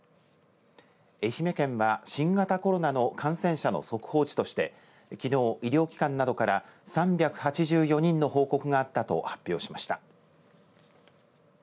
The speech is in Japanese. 愛媛県は、新型コロナの感染者の速報値としてきのう、医療機関などから３８４人の報告があったと発表しました。